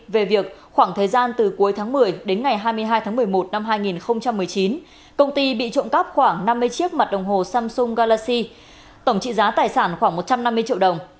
về việc khoảng thời gian từ cuối tháng một mươi đến ngày hai mươi hai tháng một mươi một năm hai nghìn một mươi chín công ty bị trộm cắp khoảng năm mươi chiếc mặt đồng hồ samsung galaxy tổng trị giá tài sản khoảng một trăm năm mươi triệu đồng